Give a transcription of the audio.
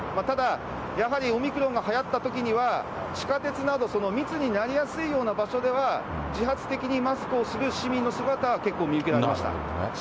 ただ、やはりオミクロンがはやったときには、地下鉄など、密になりやすいような場所では、自発的にマスクをする市民の姿は結構見受けられました。